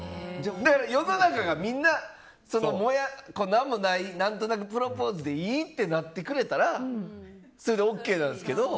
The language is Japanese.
世の中がみんな何もない何となくプロポーズでいいってなってくれたらそれでＯＫなんですけど。